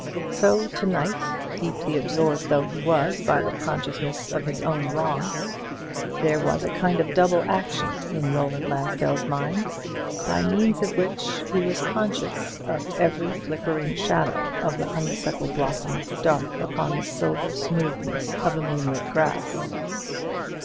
So to night, deeply absorbed though he was by the consciousness of his own wrongs, there was a kind of double action in Roland Lansdells mind, by means of which he was conscious of every flickering shadow of the honeysuckle blossoms dark upon the silver smoothness of the moonlit grass.